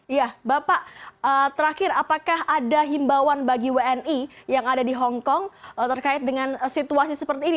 iya bapak terakhir apakah ada himbauan bagi wni yang ada di hongkong terkait dengan situasi seperti ini